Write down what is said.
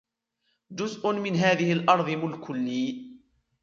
جزء من هذه الأرض ملك لي.